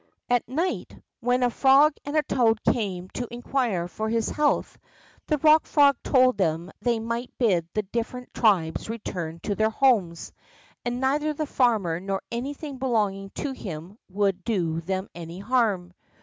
At night, when a frog and a toad came to in quire for his health, the Hock Frog told them they might bid the different tribes return to their homes, and neither the farmer nor anything belonging to him would do them any harm.